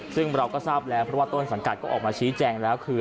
ซึ่งเราก็ทราบแล้วเพราะว่าต้นสังกัดก็ออกมาชี้แจงแล้วคือ